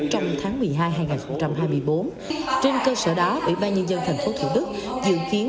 trong tháng một mươi hai hai nghìn hai mươi bốn trên cơ sở đó ủy ban nhân dân tp thủ đức dự kiến